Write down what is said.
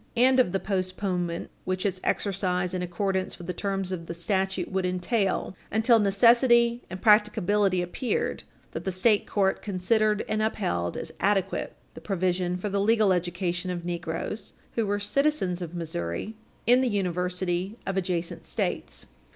348 and of the postponement which its exercise in accordance with the terms of the statute would entail until necessity and practicability appeared, that the state court considered and upheld as adequate the provision for the legal education of negroes, who were citizens of Missouri, in the universities of adjacent States.